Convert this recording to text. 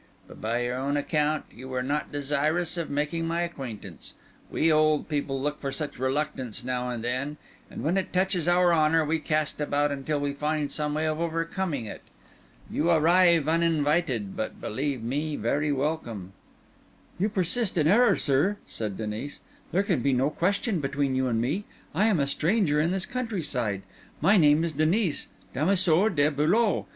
By your own account, you were not desirous of making my acquaintance. We old people look for such reluctance now and then; and when it touches our honour, we cast about until we find some way of overcoming it. You arrive uninvited, but believe me, very welcome." "You persist in error, sir," said Denis. "There can be no question between you and me. I am a stranger in this countryside. My name is Denis, damoiseau de Beaulieu.